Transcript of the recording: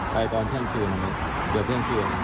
ไปตอนเพื่อนคืน